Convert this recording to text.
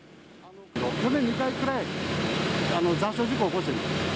去年２回くらい、座礁事故起こしてる。